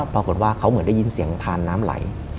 ปรากฏว่าเขาเหมือนได้ยินเสียงทานน้ำไหล